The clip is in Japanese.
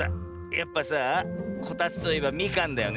やっぱさあこたつといえばみかんだよね。